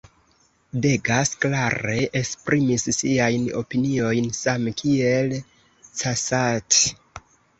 Degas klare esprimis siajn opiniojn, same kiel Cassatt.